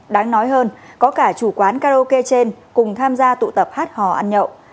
đáng nói hơn có cả chủ quán karaoke trên cùng tham gia tụ tập hát hò ăn nhậu